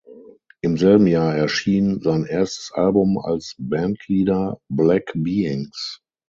Im selben Jahr erschien sein erstes Album als Bandleader "Black Beings".